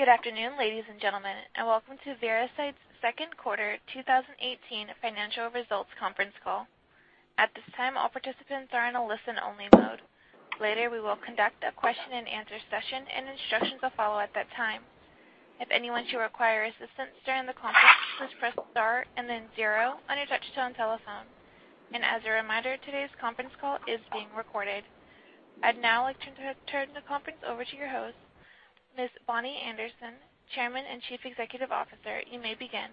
Good afternoon, ladies and gentlemen, and welcome to Veracyte's second quarter 2018 financial results conference call. At this time, all participants are in a listen-only mode. Later, we will conduct a question and answer session, and instructions will follow at that time. If anyone should require assistance during the conference, please press star and then zero on your touch-tone telephone. As a reminder, today's conference call is being recorded. I'd now like to turn the conference over to your host, Ms. Bonnie Anderson, Chairman and Chief Executive Officer. You may begin.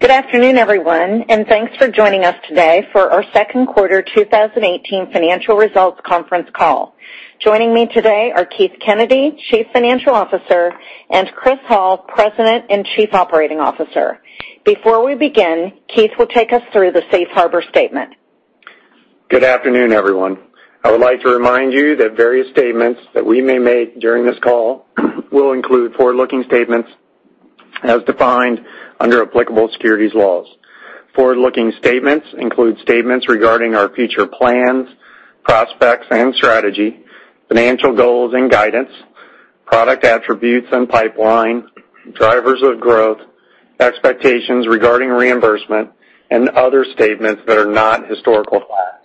Good afternoon, everyone, thanks for joining us today for our second quarter 2018 financial results conference call. Joining me today are Keith Kennedy, Chief Financial Officer, and Christopher Hall, President and Chief Operating Officer. Before we begin, Keith will take us through the safe harbor statement. Good afternoon, everyone. I would like to remind you that various statements that we may make during this call will include forward-looking statements as defined under applicable securities laws. Forward-looking statements include statements regarding our future plans, prospects and strategy, financial goals and guidance, product attributes and pipeline, drivers of growth, expectations regarding reimbursement, and other statements that are not historical facts.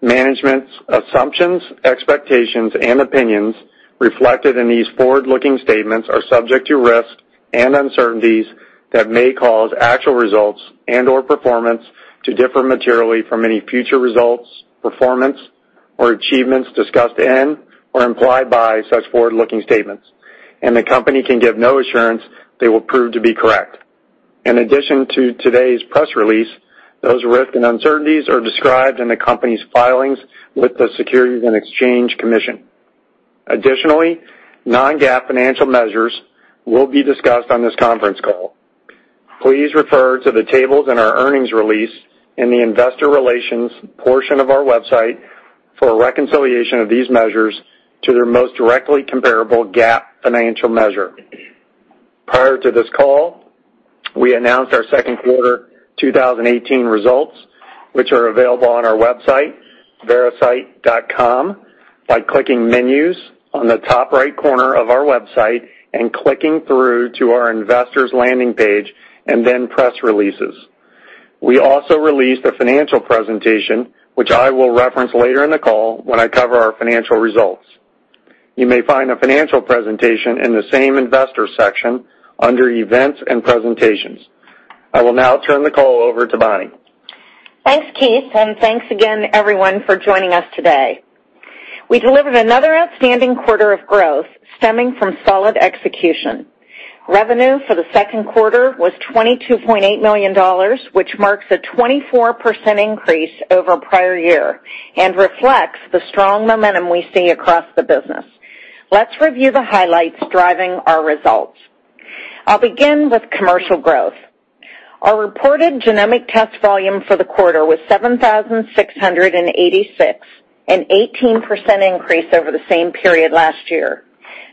Management's assumptions, expectations, and opinions reflected in these forward-looking statements are subject to risks and uncertainties that may cause actual results and/or performance to differ materially from any future results, performance, or achievements discussed in or implied by such forward-looking statements, and the company can give no assurance they will prove to be correct. In addition to today's press release, those risks and uncertainties are described in the company's filings with the Securities and Exchange Commission. Additionally, non-GAAP financial measures will be discussed on this conference call. Please refer to the tables in our earnings release in the investor relations portion of our website for a reconciliation of these measures to their most directly comparable GAAP financial measure. Prior to this call, we announced our second quarter 2018 results, which are available on our website, veracyte.com, by clicking Menus on the top right corner of our website and clicking through to our Investors landing page and then Press Releases. We also released a financial presentation, which I will reference later in the call when I cover our financial results. You may find the financial presentation in the same Investor section under Events and Presentations. I will now turn the call over to Bonnie. Thanks, Keith, and thanks again everyone for joining us today. We delivered another outstanding quarter of growth stemming from solid execution. Revenue for the second quarter was $22.8 million, which marks a 24% increase over prior year and reflects the strong momentum we see across the business. Let's review the highlights driving our results. I'll begin with commercial growth. Our reported genomic test volume for the quarter was 7,686, an 18% increase over the same period last year.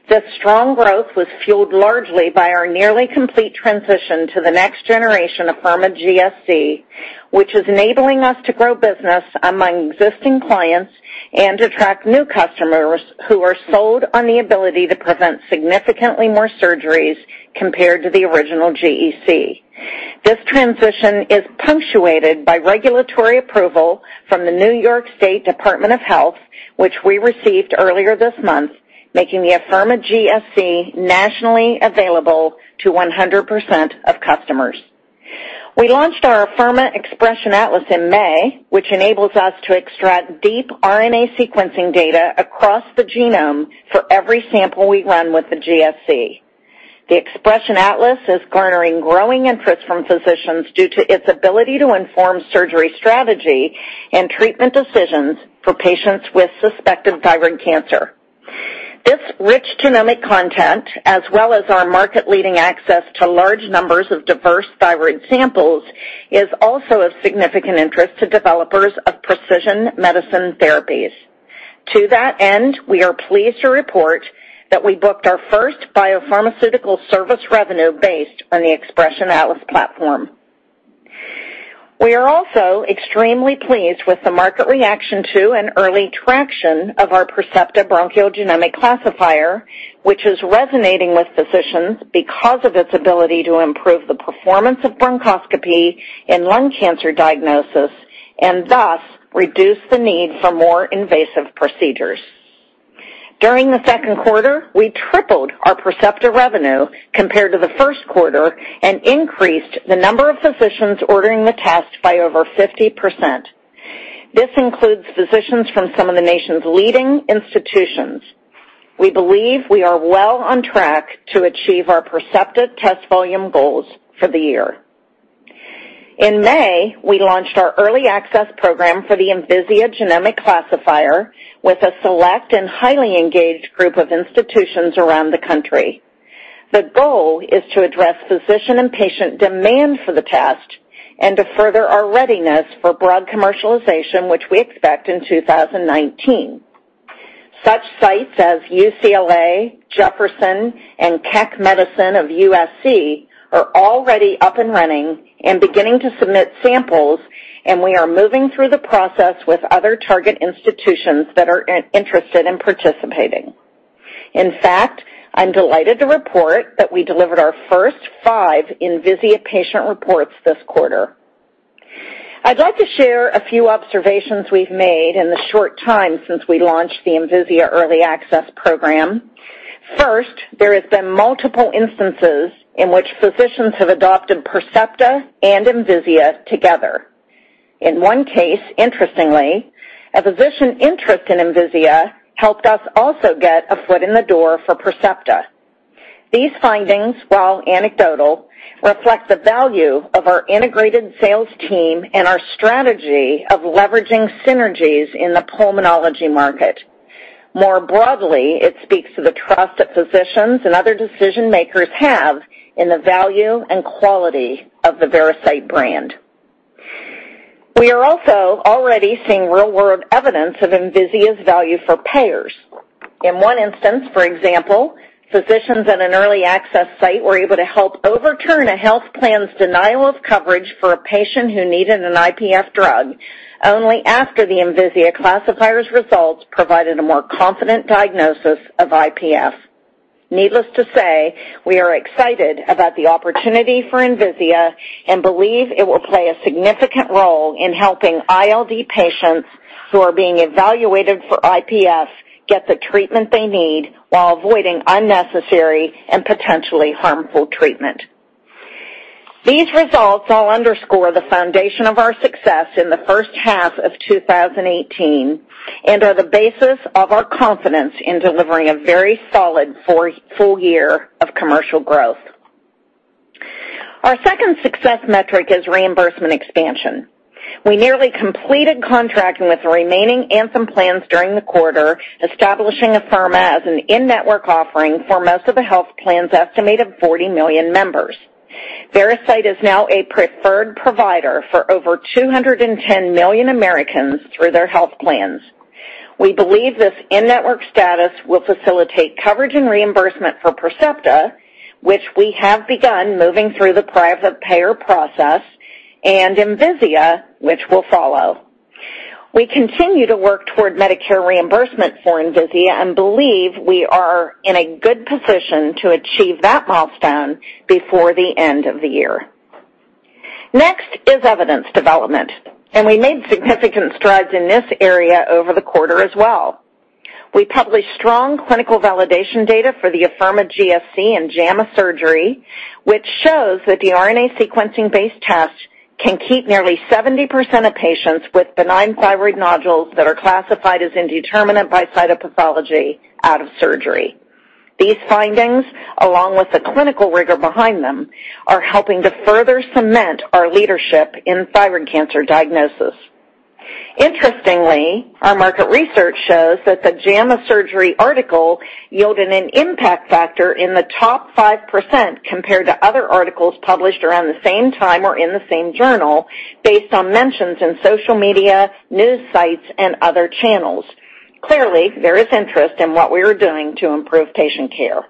This strong growth was fueled largely by our nearly complete transition to the next generation of Afirma GSC, which is enabling us to grow business among existing clients and attract new customers who are sold on the ability to prevent significantly more surgeries compared to the original GEC. This transition is punctuated by regulatory approval from the New York State Department of Health, which we received earlier this month, making the Afirma GSC nationally available to 100% of customers. We launched our Afirma Xpression Atlas in May, which enables us to extract deep RNA sequencing data across the genome for every sample we run with the GSC. The Xpression Atlas is garnering growing interest from physicians due to its ability to inform surgery strategy and treatment decisions for patients with suspected thyroid cancer. This rich genomic content, as well as our market-leading access to large numbers of diverse thyroid samples, is also of significant interest to developers of precision medicine therapies. To that end, we are pleased to report that we booked our first biopharmaceutical service revenue based on the Xpression Atlas platform. We are also extremely pleased with the market reaction to and early traction of our Percepta Bronchial Genomic Classifier, which is resonating with physicians because of its ability to improve the performance of bronchoscopy in lung cancer diagnosis and thus reduce the need for more invasive procedures. During the second quarter, we tripled our Percepta revenue compared to the first quarter and increased the number of physicians ordering the test by over 50%. This includes physicians from some of the nation's leading institutions. We believe we are well on track to achieve our Percepta test volume goals for the year. In May, we launched our early access program for the Envisia Genomic Classifier with a select and highly engaged group of institutions around the country. The goal is to address physician and patient demand for the test and to further our readiness for broad commercialization, which we expect in 2019. Such sites as UCLA, Jefferson, and Keck Medicine of USC are already up and running and beginning to submit samples. We are moving through the process with other target institutions that are interested in participating. In fact, I'm delighted to report that we delivered our first five Envisia patient reports this quarter. I'd like to share a few observations we've made in the short time since we launched the Envisia early access program. First, there has been multiple instances in which physicians have adopted Percepta and Envisia together. In one case, interestingly, a physician interest in Envisia helped us also get a foot in the door for Percepta. These findings, while anecdotal, reflect the value of our integrated sales team and our strategy of leveraging synergies in the pulmonology market. More broadly, it speaks to the trust that physicians and other decision-makers have in the value and quality of the Veracyte brand. We are also already seeing real-world evidence of Envisia's value for payers. In one instance, for example, physicians at an early access site were able to help overturn a health plan's denial of coverage for a patient who needed an IPF drug only after the Envisia classifier's results provided a more confident diagnosis of IPF. Needless to say, we are excited about the opportunity for Envisia and believe it will play a significant role in helping ILD patients who are being evaluated for IPF get the treatment they need while avoiding unnecessary and potentially harmful treatment. These results all underscore the foundation of our success in the first half of 2018 and are the basis of our confidence in delivering a very solid full year of commercial growth. Our second success metric is reimbursement expansion. We nearly completed contracting with the remaining Anthem plans during the quarter, establishing Afirma as an in-network offering for most of the health plans' estimated 40 million members. Veracyte is now a preferred provider for over 210 million Americans through their health plans. We believe this in-network status will facilitate coverage and reimbursement for Percepta, which we have begun moving through the private payer process, and Envisia, which will follow. We continue to work toward Medicare reimbursement for Envisia and believe we are in a good position to achieve that milestone before the end of the year. Next is evidence development. We made significant strides in this area over the quarter as well. We published strong clinical validation data for the Afirma GSC in JAMA Surgery, which shows that the RNA sequencing-based test can keep nearly 70% of patients with benign thyroid nodules that are classified as indeterminate by cytopathology out of surgery. These findings, along with the clinical rigor behind them, are helping to further cement our leadership in thyroid cancer diagnosis. Interestingly, our market research shows that the JAMA Surgery article yielded an impact factor in the top 5% compared to other articles published around the same time or in the same journal, based on mentions in social media, news sites, and other channels. Clearly, there is interest in what we are doing to improve patient care.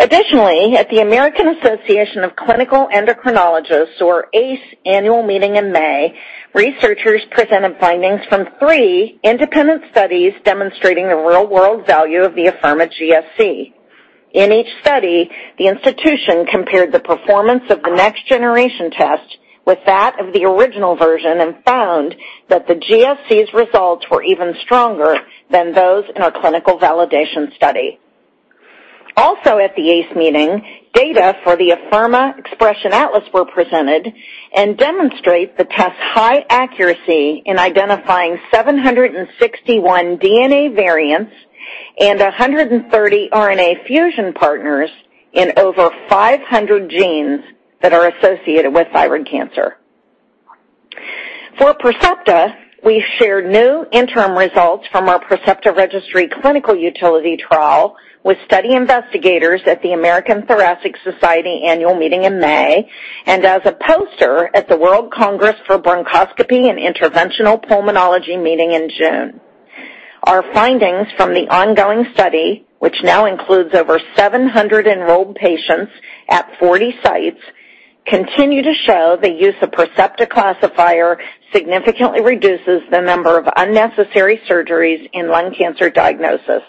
Additionally, at the American Association of Clinical Endocrinologists, or ACE, annual meeting in May, researchers presented findings from three independent studies demonstrating the real-world value of the Afirma GSC. In each study, the institution compared the performance of the next-generation test with that of the original version and found that the GSC's results were even stronger than those in our clinical validation study. Also at the ACE meeting, data for the Afirma Xpression Atlas were presented and demonstrate the test's high accuracy in identifying 761 DNA variants and 130 RNA fusion partners in over 500 genes that are associated with thyroid cancer. For Percepta, we shared new interim results from our Percepta registry clinical utility trial with study investigators at the American Thoracic Society annual meeting in May and as a poster at the World Congress for Bronchology and Interventional Pulmonology meeting in June. Our findings from the ongoing study, which now includes over 700 enrolled patients at 40 sites, continue to show the use of Percepta classifier significantly reduces the number of unnecessary surgeries in lung cancer diagnosis.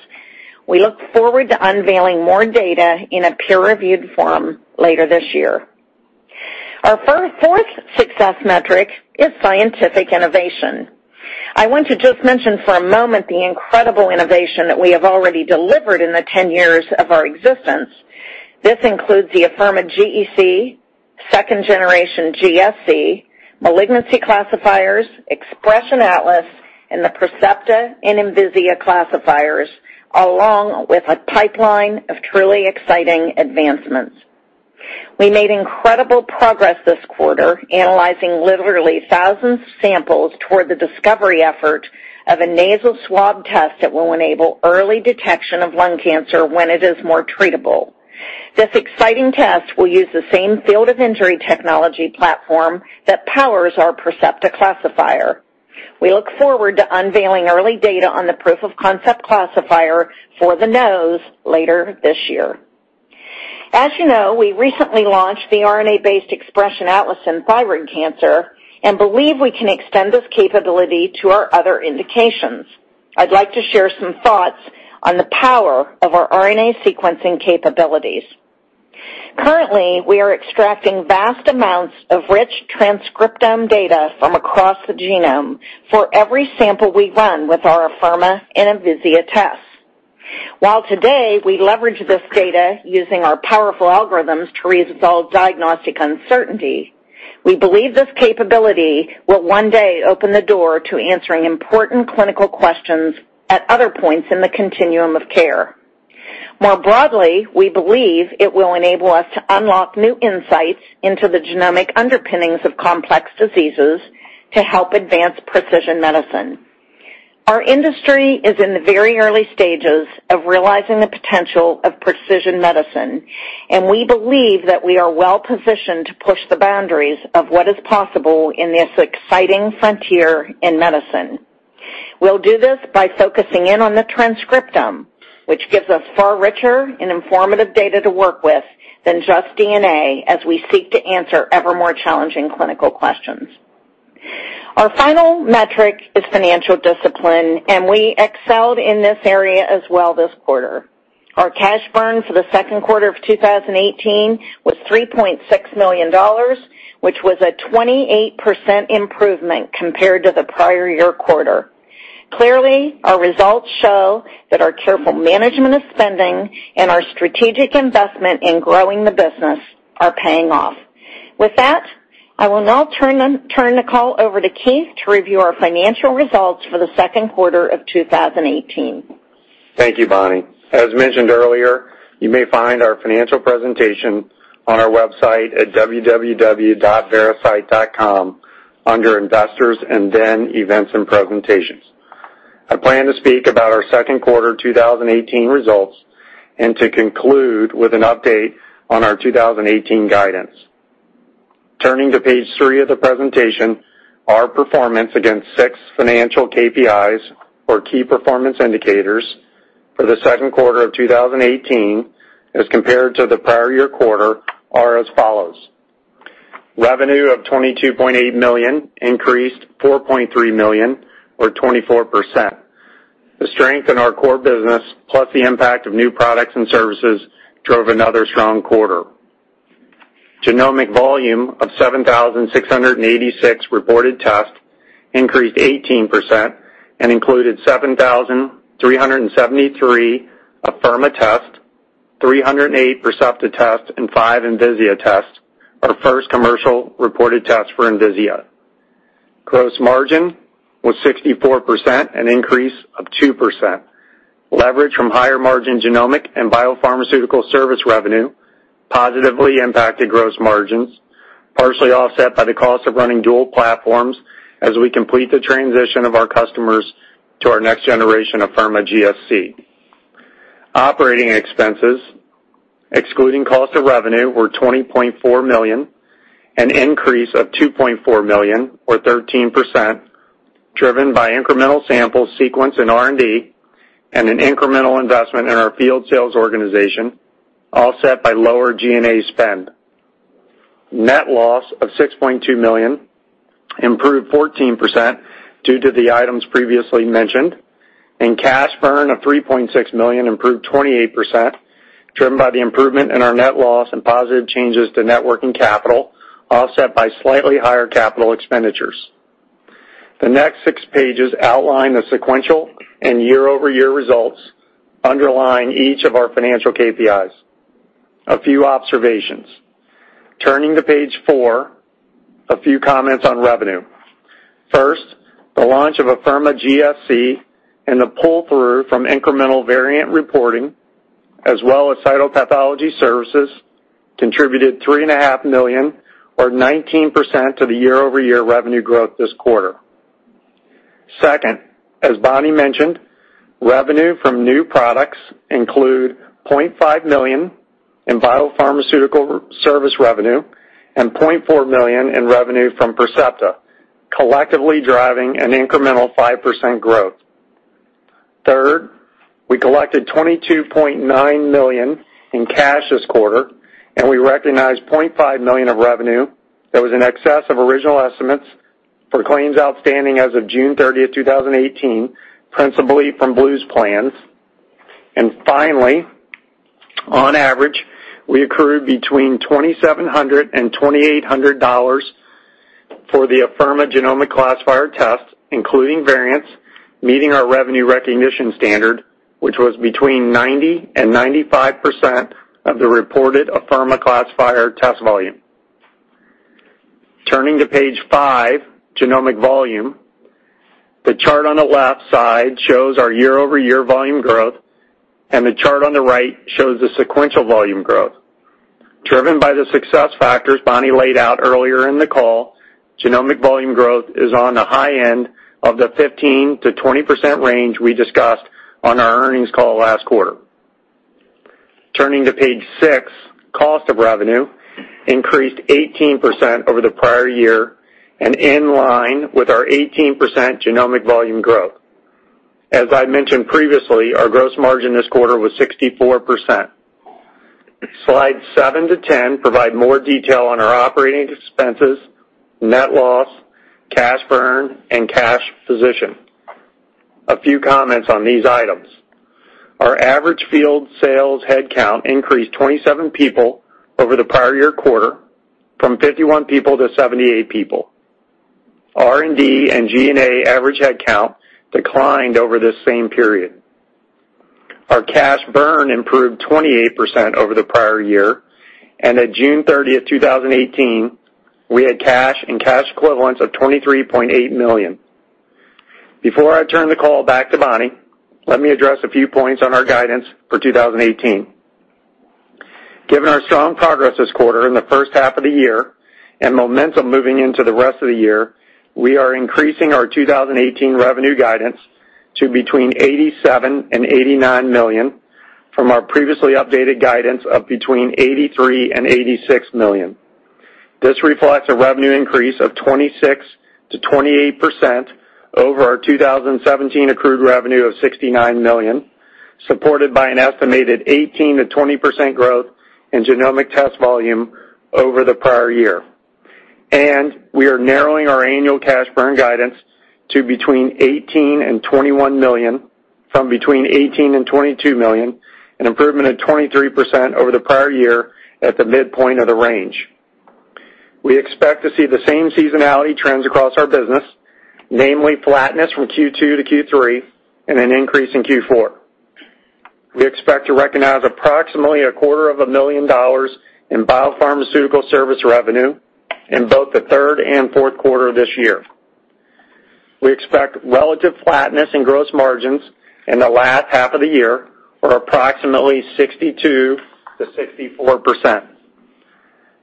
We look forward to unveiling more data in a peer-reviewed forum later this year. Our fourth success metric is scientific innovation. I want to just mention for a moment the incredible innovation that we have already delivered in the 10 years of our existence. This includes the Afirma GEC, second-generation GSC, malignancy classifiers, Xpression Atlas, and the Percepta and Envisia classifiers, along with a pipeline of truly exciting advancements. We made incredible progress this quarter, analyzing literally thousands of samples toward the discovery effort of a nasal swab test that will enable early detection of lung cancer when it is more treatable. This exciting test will use the same field of injury technology platform that powers our Percepta classifier. We look forward to unveiling early data on the proof of concept classifier for the nose later this year. As you know, we recently launched the RNA-based Xpression Atlas in thyroid cancer and believe we can extend this capability to our other indications. I'd like to share some thoughts on the power of our RNA sequencing capabilities. Currently, we are extracting vast amounts of rich transcriptome data from across the genome for every sample we run with our Afirma and Envisia tests. While today we leverage this data using our powerful algorithms to resolve diagnostic uncertainty, we believe this capability will one day open the door to answering important clinical questions at other points in the continuum of care. More broadly, we believe it will enable us to unlock new insights into the genomic underpinnings of complex diseases to help advance precision medicine. Our industry is in the very early stages of realizing the potential of precision medicine, and we believe that we are well-positioned to push the boundaries of what is possible in this exciting frontier in medicine. We'll do this by focusing in on the transcriptome, which gives us far richer and informative data to work with than just DNA, as we seek to answer ever more challenging clinical questions. Our final metric is financial discipline, and we excelled in this area as well this quarter. Our cash burn for the second quarter of 2018 was $3.6 million, which was a 28% improvement compared to the prior year quarter. Clearly, our results show that our careful management of spending and our strategic investment in growing the business are paying off. With that, I will now turn the call over to Keith to review our financial results for the second quarter of 2018. Thank you, Bonnie. As mentioned earlier, you may find our financial presentation on our website at www.veracyte.com under Investors and then Events and Presentations. I plan to speak about our second quarter 2018 results and to conclude with an update on our 2018 guidance. Turning to page three of the presentation, our performance against six financial KPIs or key performance indicators for the second quarter of 2018 as compared to the prior year quarter are as follows. Revenue of $22.8 million increased $4.3 million or 24%. The strength in our core business, plus the impact of new products and services, drove another strong quarter. Genomic volume of 7,686 reported tests increased 18% and included 7,373 Afirma tests, 308 Percepta tests, and five Envisia tests, our first commercial reported tests for Envisia. Gross margin was 64%, an increase of 2%. Leverage from higher-margin genomic and biopharmaceutical service revenue positively impacted gross margins, partially offset by the cost of running dual platforms as we complete the transition of our customers to our next generation, Afirma GSC. Operating expenses, excluding cost of revenue, were $20.4 million, an increase of $2.4 million or 13%, driven by incremental samples sequenced in R&D and an incremental investment in our field sales organization, offset by lower G&A spend. Net loss of $6.2 million improved 14% due to the items previously mentioned, and cash burn of $3.6 million improved 28%, driven by the improvement in our net loss and positive changes to net working capital, offset by slightly higher capital expenditures. The next six pages outline the sequential and year-over-year results underlying each of our financial KPIs. A few observations. Turning to page four, a few comments on revenue. First, the launch of Afirma GSC and the pull-through from incremental variant reporting, as well as cytopathology services, contributed $3.5 million or 19% of the year-over-year revenue growth this quarter. Second, as Bonnie mentioned, revenue from new products include $0.5 million in biopharmaceutical service revenue and $0.4 million in revenue from Percepta, collectively driving an incremental 5% growth. Third, we collected $22.9 million in cash this quarter, and we recognized $0.5 million of revenue that was in excess of original estimates for claims outstanding as of June 30, 2018, principally from Blues plans. Finally, on average, we accrued between $2,700 and $2,800 for the Afirma genomic classifier test, including variants, meeting our revenue recognition standard, which was between 90% and 95% of the reported Afirma classifier test volume. Turning to page five, genomic volume. The chart on the left side shows our year-over-year volume growth, and the chart on the right shows the sequential volume growth. Driven by the success factors Bonnie laid out earlier in the call, genomic volume growth is on the high end of the 15%-20% range we discussed on our earnings call last quarter. Turning to page six, cost of revenue increased 18% over the prior year and in line with our 18% genomic volume growth. As I mentioned previously, our gross margin this quarter was 64%. Slides seven to 10 provide more detail on our operating expenses, net loss, cash burn, and cash position. A few comments on these items. Our average field sales headcount increased 27 people over the prior year quarter from 51 people to 78 people. R&D and G&A average headcount declined over this same period. Our cash burn improved 28% over the prior year. At June 30th, 2018, we had cash and cash equivalents of $23.8 million. Before I turn the call back to Bonnie, let me address a few points on our guidance for 2018. Given our strong progress this quarter in the first half of the year and momentum moving into the rest of the year, we are increasing our 2018 revenue guidance to between $87 million and $89 million from our previously updated guidance of between $83 million and $86 million. This reflects a revenue increase of 26%-28% over our 2017 accrued revenue of $69 million, supported by an estimated 18%-20% growth in genomic test volume over the prior year. We are narrowing our annual cash burn guidance to between $18 million and $21 million from between $18 million and $22 million, an improvement of 23% over the prior year at the midpoint of the range. We expect to see the same seasonality trends across our business, namely flatness from Q2 to Q3 and an increase in Q4. We expect to recognize approximately a quarter of a million dollars in biopharmaceutical service revenue in both the third and fourth quarter of this year. We expect relative flatness in gross margins in the last half of the year or approximately 62%-64%.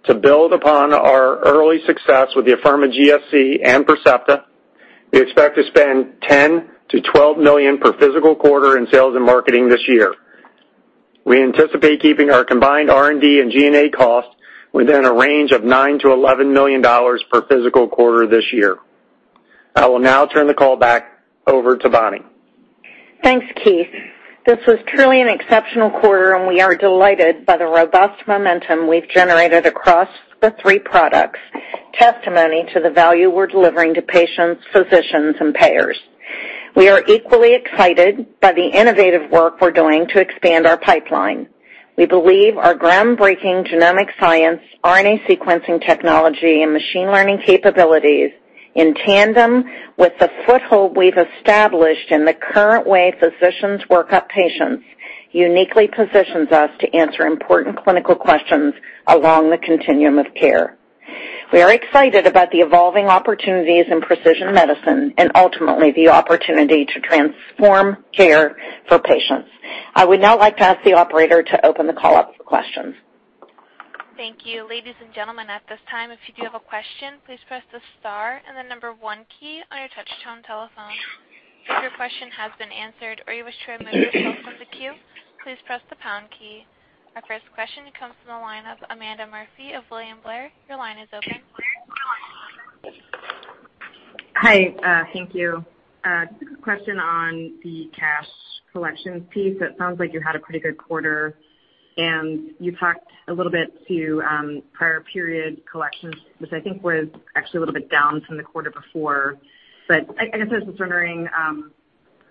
To build upon our early success with the Afirma GSC and Percepta, we expect to spend $10 million to $12 million per physical quarter in sales and marketing this year. We anticipate keeping our combined R&D and G&A costs within a range of nine to $11 million per physical quarter this year. I will now turn the call back over to Bonnie. Thanks, Keith. This was truly an exceptional quarter, and we are delighted by the robust momentum we've generated across the three products, testimony to the value we're delivering to patients, physicians, and payers. We are equally excited by the innovative work we're doing to expand our pipeline. We believe our groundbreaking genomic science, RNA sequencing technology, and machine learning capabilities in tandem with the foothold we've established in the current way physicians work up patients uniquely positions us to answer important clinical questions along the continuum of care. We are excited about the evolving opportunities in precision medicine and ultimately the opportunity to transform care for patients. I would now like to ask the operator to open the call up for questions. Thank you. Ladies and gentlemen, at this time, if you do have a question, please press the star and the number one key on your touchtone telephone. If your question has been answered or you wish to remove yourself from the queue, please press the pound key. Our first question comes from the line of Amanda Murphy of William Blair. Your line is open. Hi. Thank you. Just a quick question on the cash collections piece. It sounds like you had a pretty good quarter, and you talked a little bit to prior period collections, which I think was actually a little bit down from the quarter before. I guess I was just wondering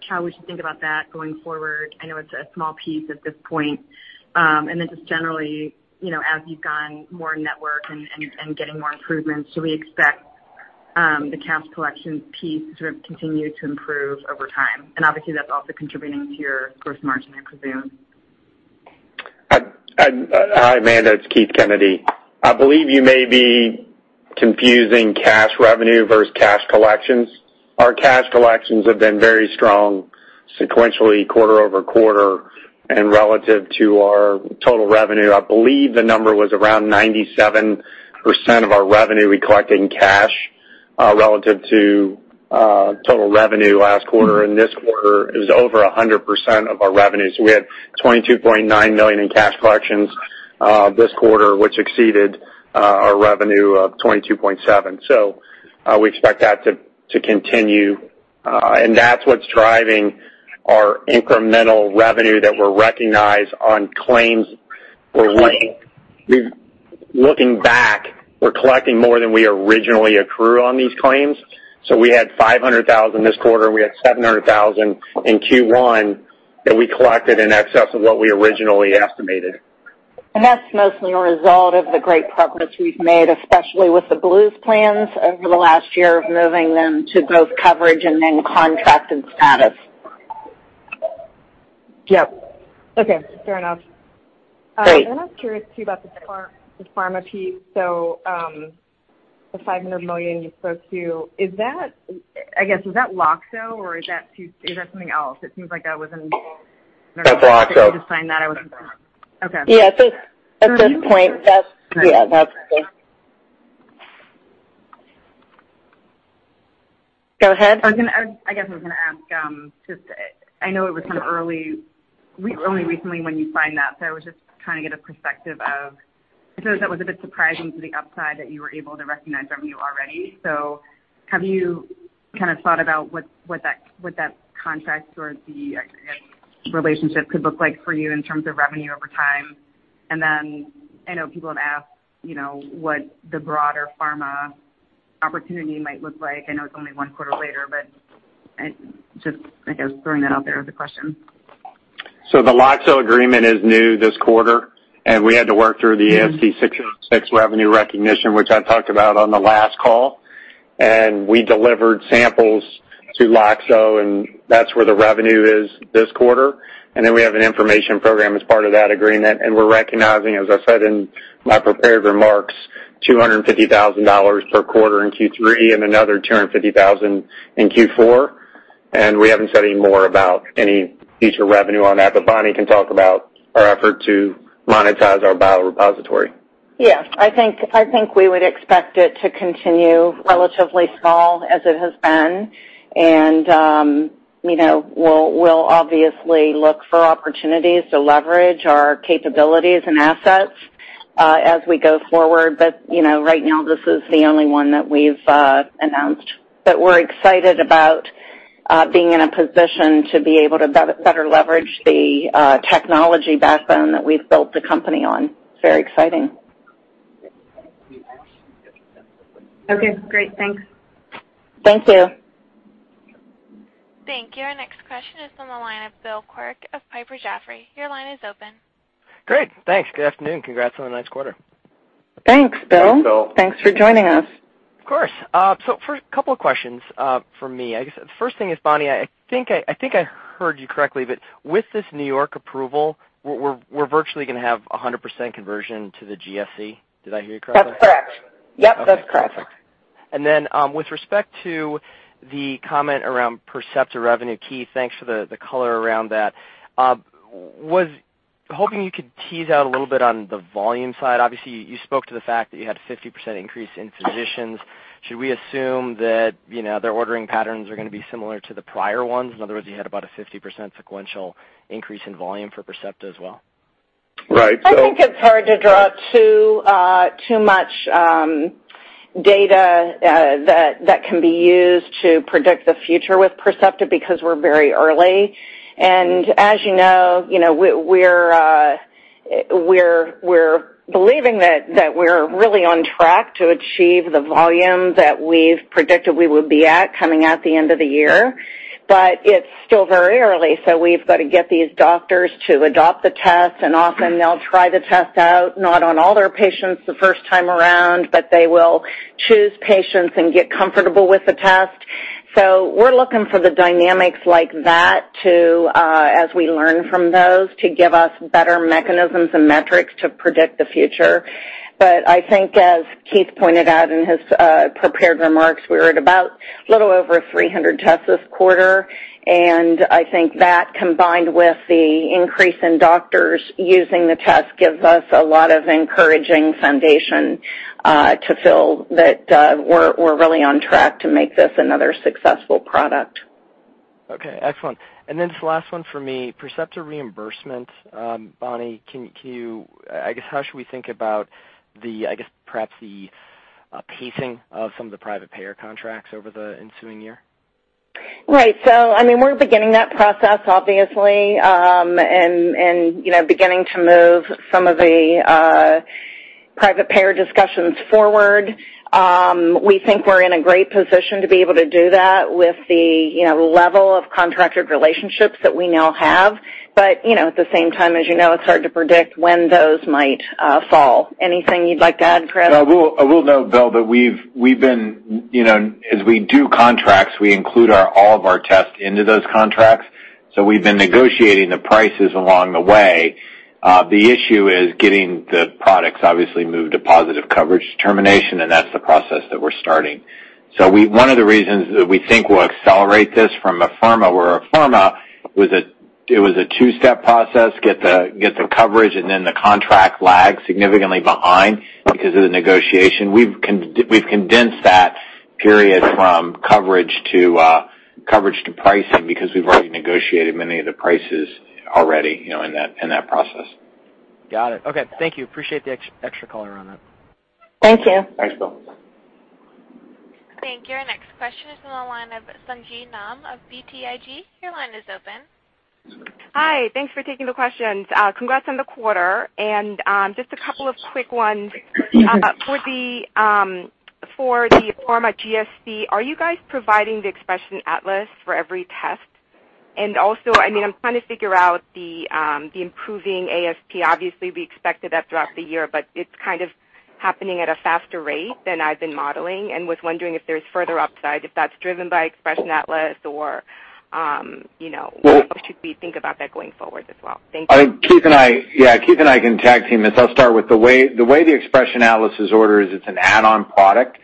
how we should think about that going forward. I know it's a small piece at this point. Just generally, as you've gone more network and getting more improvements, do we expect the cash collection piece to sort of continue to improve over time? Obviously, that's also contributing to your gross margin, I presume. Hi, Amanda, it's Keith Kennedy. I believe you may be confusing cash revenue versus cash collections. Our cash collections have been very strong sequentially quarter-over-quarter and relative to our total revenue. I believe the number was around 97% of our revenue we collect in cash, relative to total revenue last quarter, and this quarter is over 100% of our revenue. We had $22.9 million in cash collections this quarter, which exceeded our revenue of $22.7 million. We expect that to continue, and that's what's driving our incremental revenue that were recognized on claims. Looking back, we're collecting more than we originally accrued on these claims. We had $500,000 this quarter. We had $700,000 in Q1 that we collected in excess of what we originally estimated. That's mostly a result of the great progress we've made, especially with the Blues plans over the last year of moving them to both coverage and then contracted status. Yep. Okay, fair enough. Great. I was curious too about the pharma piece. The $500 million you spoke to, I guess, is that Loxo or is that something else? That's Loxo to sign that I wasn't. Okay. Yeah, at this point, that's it. Go ahead. I guess I was going to ask, just I know it was kind of early We only recently when you find that, so I was just trying to get a perspective of, I suppose that was a bit surprising to the upside that you were able to recognize revenue already. Have you thought about what that contract or the relationship could look like for you in terms of revenue over time? I know people have asked what the broader pharma opportunity might look like. I know it's only one quarter later, but just, I guess, throwing that out there as a question. The Loxo agreement is new this quarter, we had to work through the ASC 606 revenue recognition, which I talked about on the last call. We delivered samples to Loxo, and that's where the revenue is this quarter. We have an information program as part of that agreement, and we're recognizing, as I said in my prepared remarks, $250,000 per quarter in Q3 and another $250,000 in Q4. We haven't said any more about any future revenue on that. Bonnie can talk about our effort to monetize our biorepository. Yes. I think we would expect it to continue relatively small as it has been. We'll obviously look for opportunities to leverage our capabilities and assets as we go forward. Right now, this is the only one that we've announced. We're excited about being in a position to be able to better leverage the technology backbone that we've built the company on. It's very exciting. Okay, great. Thanks. Thank you. Thank you. Our next question is on the line of Bill Quirk of Piper Jaffray. Your line is open. Great. Thanks. Good afternoon. Congrats on a nice quarter. Thanks, Bill. Thanks, Bill. Thanks for joining us. First, couple of questions from me. I guess the first thing is, Bonnie, I think I heard you correctly, but with this New York approval, we're virtually going to have 100% conversion to the GSC. Did I hear you correctly? That's correct. Yep, that's correct. Okay. With respect to the comment around Percepta revenue, Keith, thanks for the color around that. I was hoping you could tease out a little on the volume side. Obviously, you spoke to the fact that you had 50% increase in physicians. Should we assume that their ordering patterns are going to be similar to the prior ones? In other words, you had about a 50% sequential increase in volume for Percepta as well. Right. I think it's hard to draw too much data that can be used to predict the future with Percepta because we're very early. As you know, we're believing that we're really on track to achieve the volume that we've predicted we would be at coming at the end of the year. It's still very early, so we've got to get these doctors to adopt the test, and often they'll try the test out, not on all their patients the first time around, but they will choose patients and get comfortable with the test. We're looking for the dynamics like that to, as we learn from those, to give us better mechanisms and metrics to predict the future. I think as Keith pointed out in his prepared remarks, we were at about a little over 300 tests this quarter. I think that combined with the increase in doctors using the test gives us a lot of encouraging foundation to feel that we're really on track to make this another successful product. Okay, excellent. This last one for me, Percepta reimbursement. Bonnie, how should we think about the perhaps the pacing of some of the private payer contracts over the ensuing year? Right. We're beginning that process obviously, and beginning to move some of the private payer discussions forward. We think we're in a great position to be able to do that with the level of contracted relationships that we now have. But at the same time, as you know, it's hard to predict when those might fall. Anything you'd like to add, Chris? I will note, Bill, that as we do contracts, we include all of our tests into those contracts. We've been negotiating the prices along the way. The issue is getting the products obviously moved to positive coverage determination, and that's the process that we're starting. One of the reasons that we think we'll accelerate this from a pharma, it was a two-step process, get the coverage and then the contract lags significantly behind because of the negotiation. We've condensed that period from coverage to pricing because we've already negotiated many of the prices already in that process. Got it. Okay. Thank you. Appreciate the extra color on that. Thank you. Thanks, Bill. Thank you. Our next question is on the line of Sanjiv Nam of BTIG. Your line is open. Hi. Thanks for taking the questions. Congrats on the quarter. Just a couple of quick ones. For the Afirma GSC, are you guys providing the Xpression Atlas for every test? I'm trying to figure out the improving ASP. Obviously, we expected that throughout the year, but it's happening at a faster rate than I've been modeling, and was wondering if there's further upside, if that's driven by Xpression Atlas or how should we think about that going forward as well? Thank you. Keith and I can tag team this. I'll start with the way the Xpression Atlas is ordered is it's an add-on product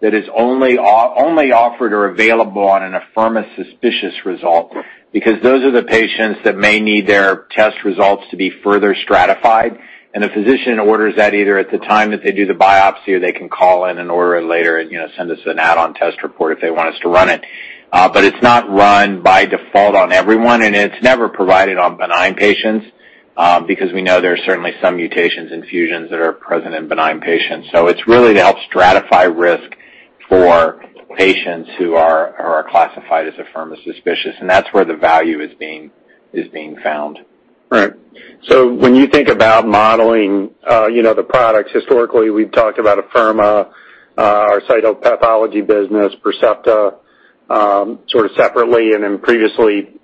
that is only offered or available on an Afirma suspicious result because those are the patients that may need their test results to be further stratified. The physician orders that either at the time that they do the biopsy or they can call in and order it later and send us an add-on test report if they want us to run it. It's not run by default on everyone, and it's never provided on benign patients We know there are certainly some mutations and fusions that are present in benign patients. It's really to help stratify risk for patients who are classified as Afirma suspicious, and that's where the value is being found. Right. When you think about modeling the products, historically, we've talked about Afirma, our cytopathology business, Percepta, sort of separately. Previously,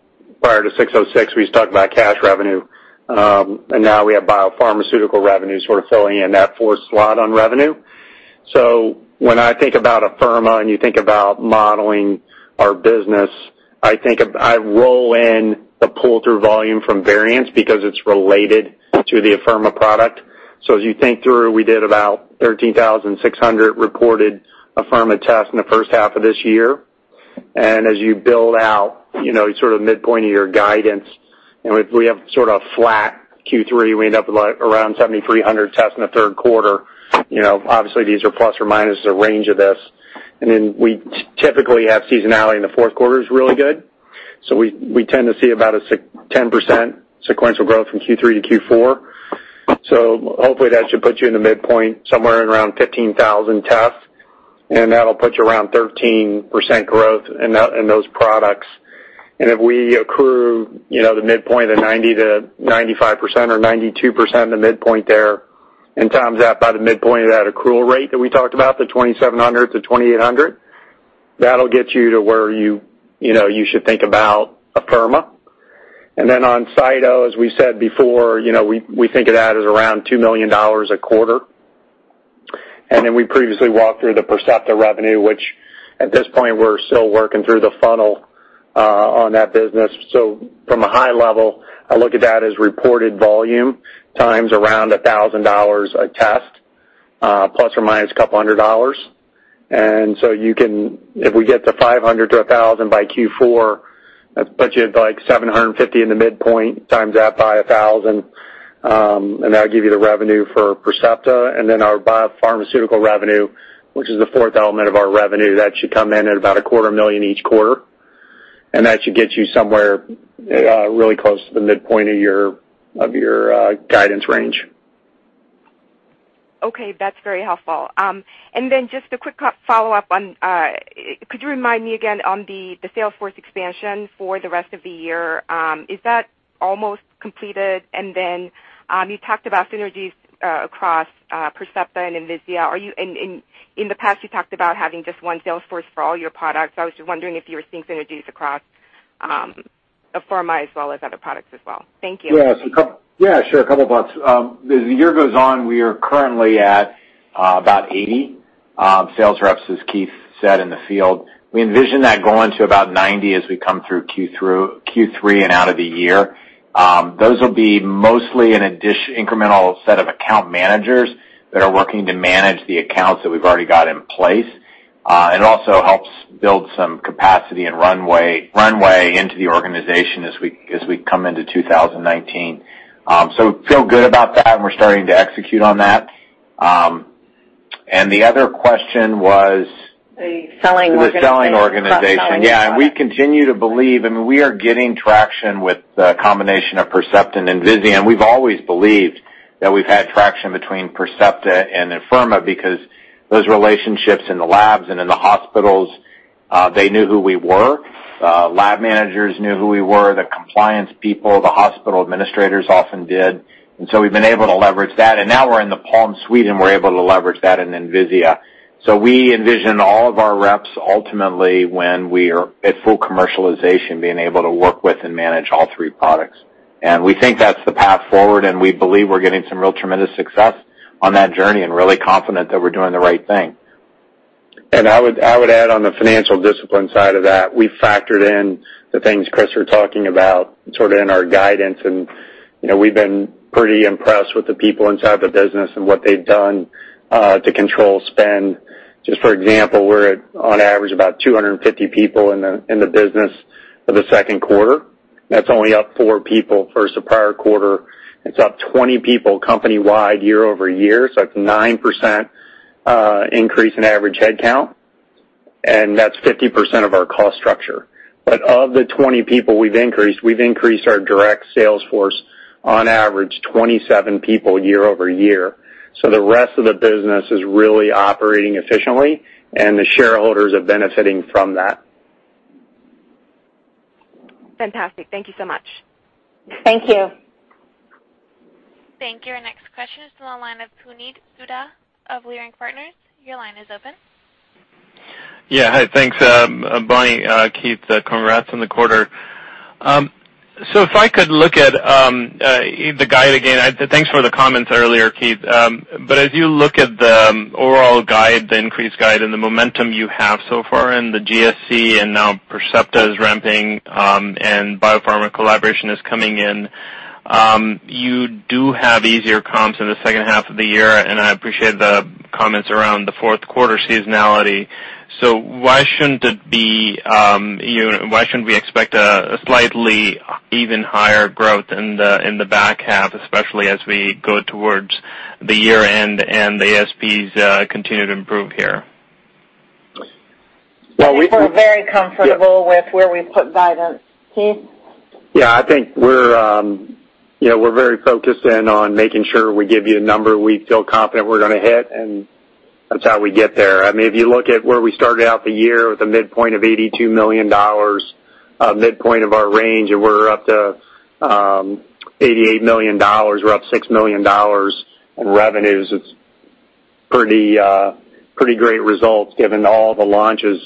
prior to ASC 606, we used to talk about cash revenue, and now we have biopharmaceutical revenue sort of filling in that fourth slot on revenue. When I think about Afirma and you think about modeling our business, I roll in the pull-through volume from variance because it's related to the Afirma product. As you think through, we did about 13,600 reported Afirma tests in the first half of this year. As you build out, sort of midpoint of your guidance, and if we have sort of flat Q3, we end up with around 7,300 tests in the third quarter. Obviously, these are plus or minus a range of this. We typically have seasonality, and the fourth quarter's really good. We tend to see about a 10% sequential growth from Q3 to Q4. Hopefully that should put you in the midpoint, somewhere around 15,000 tests, and that will put you around 13% growth in those products. If we accrue the midpoint of 90%-95% or 92% in the midpoint there, and times that by the midpoint of that accrual rate that we talked about, the $2,700-$2,800, that will get you to where you should think about Afirma. On cyto, as we said before, we think of that as around $2 million a quarter. We previously walked through the Percepta revenue, which at this point, we are still working through the funnel on that business. From a high level, I look at that as reported volume times around $1,000 a test, plus or minus a couple hundred dollars. If we get to 500 to 1,000 by Q4, that puts you at like 750 in the midpoint, times that by 1,000, and that will give you the revenue for Percepta. Our biopharmaceutical revenue, which is the fourth element of our revenue, that should come in at about a quarter million each quarter. That should get you somewhere really close to the midpoint of your guidance range. Okay. That is very helpful. Just a quick follow-up on, could you remind me again on the sales force expansion for the rest of the year? Is that almost completed? You talked about synergies across Percepta and Envisia. In the past, you talked about having just one sales force for all your products. I was just wondering if you were seeing synergies across Afirma as well as other products as well. Thank you. Yeah. Sure. A couple of points. As the year goes on, we are currently at about 80 sales reps, as Keith said, in the field. We envision that going to about 90 as we come through Q3 and out of the year. Those will be mostly an incremental set of account managers that are working to manage the accounts that we have already got in place. It also helps build some capacity and runway into the organization as we come into 2019. Feel good about that, and we are starting to execute on that. The other question was. The selling organization The selling organization. Yeah, We continue to believe, I mean, we are getting traction with the combination of Percepta and Envisia, and we've always believed that we've had traction between Percepta and Afirma because those relationships in the labs and in the hospitals, they knew who we were. Lab managers knew who we were, the compliance people, the hospital administrators often did. We've been able to leverage that. Now we're in the Pulm Suite, We're able to leverage that in Envisia. We envision all of our reps, ultimately, when we are at full commercialization, being able to work with and manage all three products. We think that's the path forward, We believe we're getting some real tremendous success on that journey and really confident that we're doing the right thing. I would add on the financial discipline side of that, we factored in the things Chris, you're talking about sort of in our guidance, We've been pretty impressed with the people inside the business and what they've done to control spend. Just for example, we're at on average, about 250 people in the business for the second quarter. That's only up four people versus the prior quarter. It's up 20 people company-wide, year-over-year, That's 9% increase in average headcount, That's 50% of our cost structure. Of the 20 people we've increased, we've increased our direct sales force on average 27 people year-over-year. The rest of the business is really operating efficiently, The shareholders are benefiting from that. Fantastic. Thank you so much. Thank you. Thank you. Our next question is from the line of Puneet Souda of Leerink Partners. Your line is open. Yeah, hi. Thanks, Bonnie, Keith. Congrats on the quarter. If I could look at the guide again, thanks for the comments earlier, Keith. As you look at the overall guide, the increased guide, and the momentum you have so far in the GSC, and now Percepta is ramping, and biopharma collaboration is coming in, you do have easier comps in the second half of the year, and I appreciate the comments around the fourth quarter seasonality. Why shouldn't we expect a slightly even higher growth in the back half, especially as we go towards the year-end and the ASPs continue to improve here? We're very comfortable with where we put guidance. Keith? I think we're very focused in on making sure we give you a number we feel confident we're going to hit, and that's how we get there. If you look at where we started out the year with a midpoint of $82 million, a midpoint of our range, and we're up to $88 million. We're up $6 million in revenues. It's pretty great results given all the launches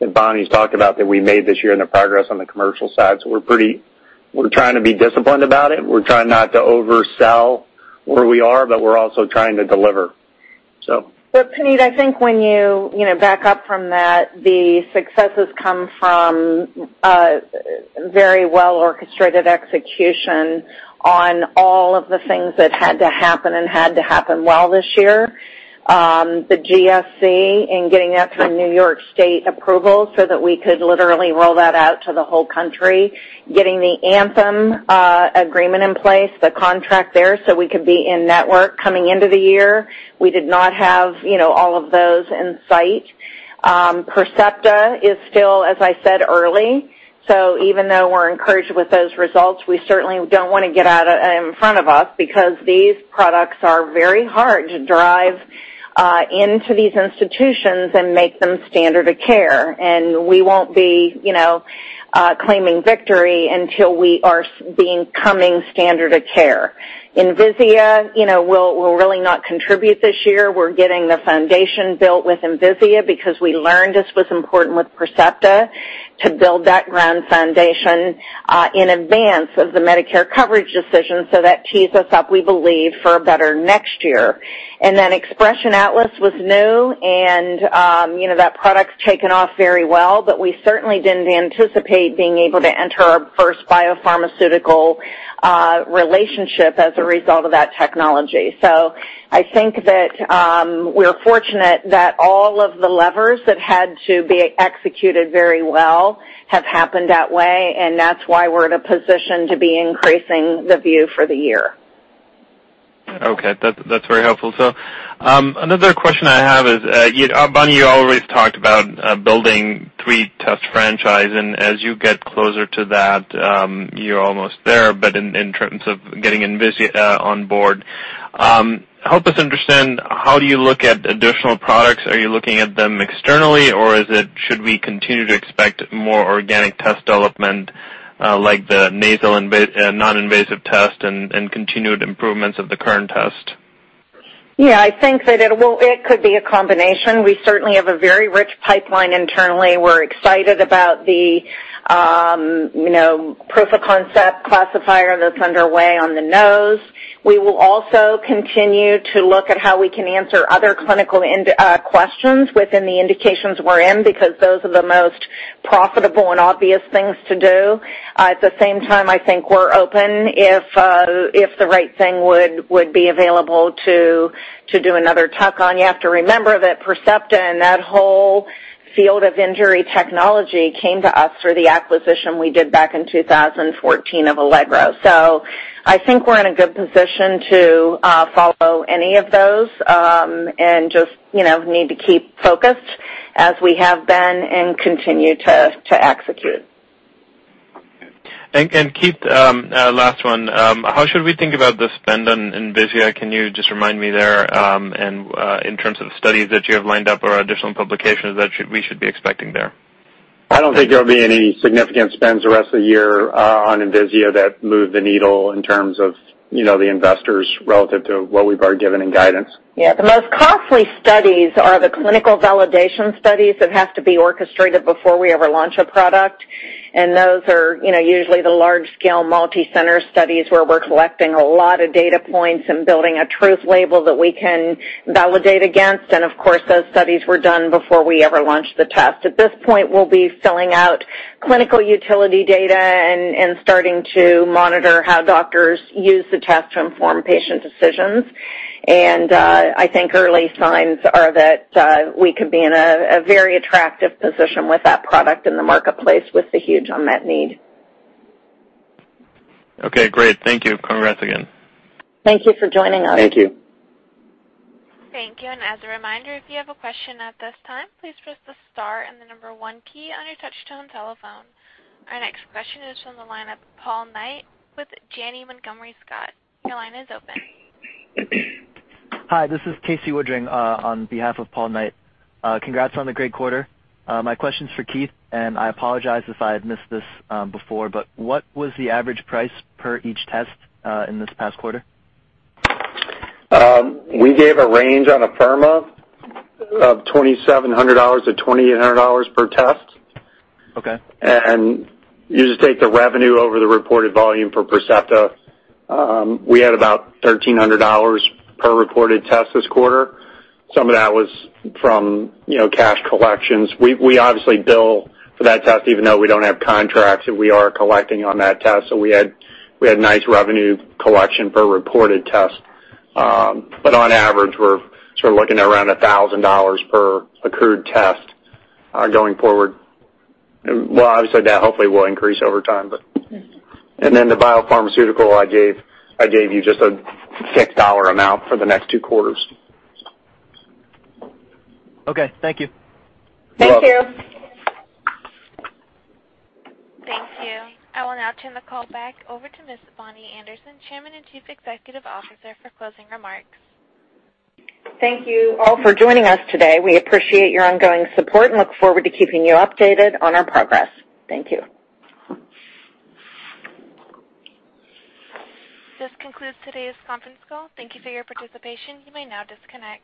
that Bonnie's talked about that we made this year and the progress on the commercial side. We're trying to be disciplined about it. We're trying not to oversell where we are, but we're also trying to deliver. Puneet, I think when you back up from that, the successes come from a very well-orchestrated execution on all of the things that had to happen and had to happen well this year. The GSC and getting that to a New York State approval so that we could literally roll that out to the whole country, getting the Anthem agreement in place, the contract there, so we could be in network coming into the year. We did not have all of those in sight. Percepta is still, as I said, early. Even though we're encouraged with those results, we certainly don't want to get out in front of us because these products are very hard to drive into these institutions and make them standard of care. We won't be claiming victory until we are becoming standard of care. Envisia will really not contribute this year. We're getting the foundation built with Envisia because we learned this was important with Percepta to build that ground foundation in advance of the Medicare coverage decision. That tees us up, we believe, for a better next year. Then Xpression Atlas was new and that product's taken off very well, but we certainly didn't anticipate being able to enter our first biopharmaceutical relationship as a result of that technology. I think that we're fortunate that all of the levers that had to be executed very well have happened that way, and that's why we're in a position to be increasing the view for the year. Okay. That's very helpful. Another question I have is, Bonnie, you always talked about building three test franchise, and as you get closer to that, you're almost there, but in terms of getting Envisia on board. Help us understand how do you look at additional products? Are you looking at them externally, or should we continue to expect more organic test development, like the nasal non-invasive test and continued improvements of the current test? I think that it could be a combination. We certainly have a very rich pipeline internally. We're excited about the proof of concept classifier that's underway on the nose. We will also continue to look at how we can answer other clinical questions within the indications we're in, because those are the most profitable and obvious things to do. At the same time, I think we're open if the right thing would be available to do another tuck-on. You have to remember that Percepta and that whole field of injury technology came to us through the acquisition we did back in 2014 of Allegro. I think we're in a good position to follow any of those, and just need to keep focused as we have been and continue to execute. Keith, last one. How should we think about the spend on Envisia? Can you just remind me there, in terms of studies that you have lined up or additional publications that we should be expecting there? I don't think there will be any significant spends the rest of the year on Envisia that move the needle in terms of the investors relative to what we've already given in guidance. The most costly studies are the clinical validation studies that have to be orchestrated before we ever launch a product. Those are usually the large-scale multi-center studies where we're collecting a lot of data points and building a truth label that we can validate against. Of course, those studies were done before we ever launched the test. At this point, we'll be filling out clinical utility data and starting to monitor how doctors use the test to inform patient decisions. I think early signs are that we could be in a very attractive position with that product in the marketplace with the huge unmet need. Okay, great. Thank you. Congrats again. Thank you for joining us. Thank you. Thank you. As a reminder, if you have a question at this time, please press the star and the number one key on your touchtone telephone. Our next question is from the line of Paul Knight with Janney Montgomery Scott. Your line is open. Hi, this is Casey Woodring on behalf of Paul Knight. Congrats on the great quarter. My question's for Keith. I apologize if I had missed this before, what was the average price per each test in this past quarter? We gave a range on Afirma of $2,700-$2,800 per test. Okay. You just take the revenue over the reported volume for Percepta. We had about $1,300 per reported test this quarter. Some of that was from cash collections. We obviously bill for that test even though we don't have contracts. We are collecting on that test. We had nice revenue collection per reported test. On average, we're looking at around $1,000 per accrued test going forward. Well, obviously, that hopefully will increase over time. Then the biopharmaceutical, I gave you just a $6 amount for the next two quarters. Okay. Thank you. Thank you. You're welcome. Thank you. I will now turn the call back over to Ms. Bonnie Anderson, Chairman and Chief Executive Officer, for closing remarks. Thank you all for joining us today. We appreciate your ongoing support and look forward to keeping you updated on our progress. Thank you. This concludes today's conference call. Thank you for your participation. You may now disconnect.